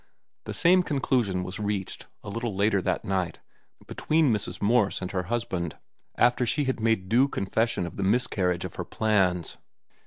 The same conclusion was reached, a little later that night, between Mrs. Morse and her husband, after she had made due confession of the miscarriage of her plans.